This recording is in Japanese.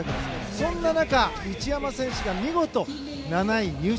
そんな中、一山選手が見事、７位入賞。